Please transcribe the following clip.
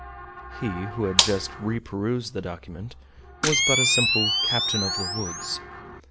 He who had just reperused the document was but a simple "captain of the woods."